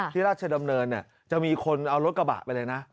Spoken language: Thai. ราชดำเนินจะมีคนเอารถกระบะไปเลยนะ